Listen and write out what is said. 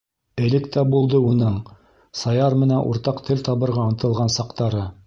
Элек тә булды уның Саяр менән уртаҡ тел табырға ынтылған саҡтары.